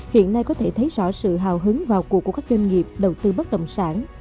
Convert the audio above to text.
hiện nay có thể thấy rõ sự hào hứng vào cuộc của các doanh nghiệp đầu tư bất động sản